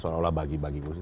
seolah olah bagi bagi khusus